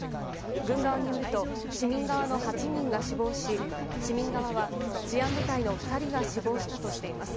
軍側によると市民側の８人が死亡し市民側は治安部隊の２人が死亡したとしています。